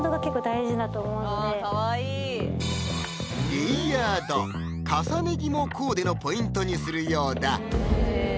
レイヤード重ね着もコーデのポイントにするようだ